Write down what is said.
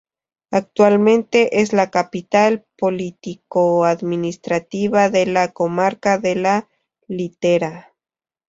Actualmente es la capital político-administrativa de la comarca de La Litera.